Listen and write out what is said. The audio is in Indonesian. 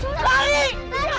kamu harus salam salaman